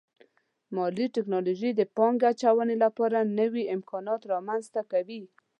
مالي ټکنالوژي د پانګې اچونې لپاره نوي امکانات رامنځته کوي.